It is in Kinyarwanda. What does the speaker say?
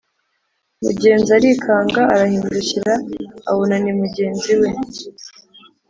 Mugenza arikanga arahindukira abona nimugenzi we